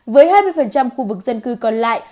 với hai mươi khu vực dân cư còn lại